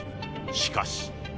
しかし。